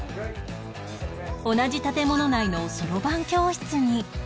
同じ建物内のそろばん教室に